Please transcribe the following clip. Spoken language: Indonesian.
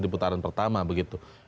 di putaran pertama begitu